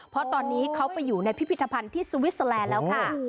เพราะตอนนี้เขาไปอยู่ในพิพิธภัณฑ์ที่สวิสเตอร์แลนด์แล้วค่ะ